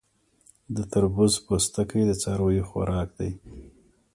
د تربوز پوستکی د څارویو خوراک دی.